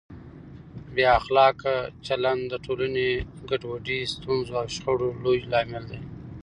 بې اخلاقه چلند د ټولنې ګډوډۍ، ستونزو او شخړو لوی لامل دی.